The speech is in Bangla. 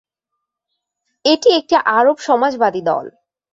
এটি একটি আরব সমাজবাদী দল।